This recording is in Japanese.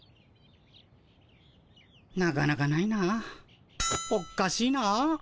なかなかないな。おっかしいな。